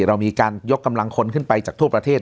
เรามีการยกกำลังคนขึ้นไปจากทั่วประเทศ